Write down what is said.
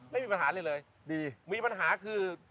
ไม่มีปัญหาเลยมีปัญหาคือ